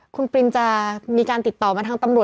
คุณปรินจะมีการติดต่อมาทางตำรวจ